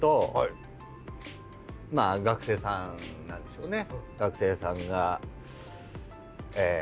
まあ学生さんなんでしょうね。